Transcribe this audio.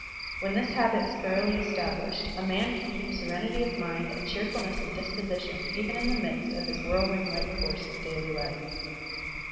Whea this habit is thoroughly established, a man can keep serenity of mind and cheerfulness of dispo sition even in the midst of his whirlwind Uke course of daily life.